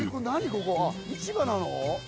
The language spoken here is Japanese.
ここ市場なの？